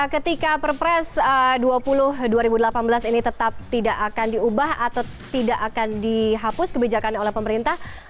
ketika perpres dua puluh dua ribu delapan belas ini tetap tidak akan diubah atau tidak akan dihapus kebijakan oleh pemerintah